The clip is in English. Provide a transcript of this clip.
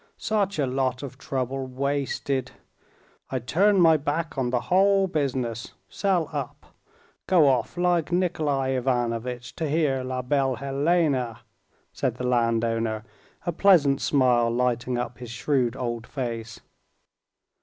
such a lot of trouble wasted ... I'd turn my back on the whole business, sell up, go off like Nikolay Ivanovitch ... to hear La Belle Hélène," said the landowner, a pleasant smile lighting up his shrewd old face.